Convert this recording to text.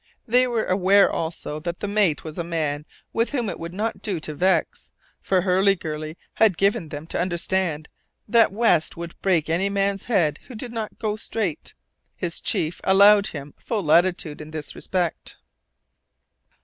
They were aware, also, that the mate was a man whom it would not do to vex, for Hurliguerly had given them to understand that West would break any man's head who did not go straight. His chief allowed him full latitude in this respect.